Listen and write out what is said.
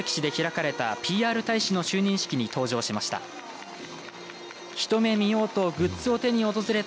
先月下関市で開かれたＰＲ大使の就任式に登場しました。